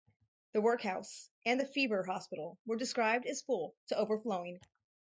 The Workhouse and the Fever Hospital were described as full to overflowing.